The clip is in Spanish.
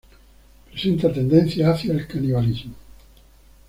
Presenta tendencia hacia el canibalismo.